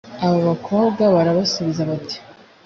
abo bakobwa barabasubiza bati